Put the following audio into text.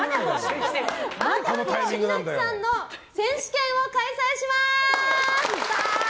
アントニオ猪木さんの選手権を開催します！